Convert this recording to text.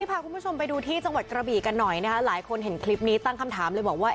พาคุณผู้ชมไปดูที่จังหวัดกระบีกันหน่อยนะคะหลายคนเห็นคลิปนี้ตั้งคำถามเลยบอกว่า